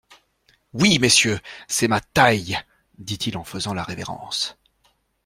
Oui, messieurs, c’est ma taille, dit-il en faisant la révérence.